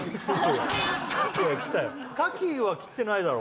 賀喜は切ってないだろ？